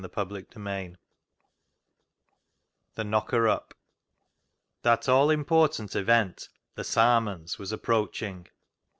The Knocker up The Knocker up That all important event the " Sarmons " was approaching.